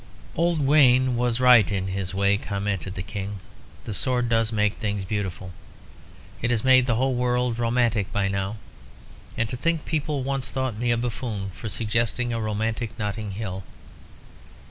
"Old Wayne was right in a way," commented the King. "The sword does make things beautiful. It has made the whole world romantic by now. And to think people once thought me a buffoon for suggesting a romantic Notting Hill.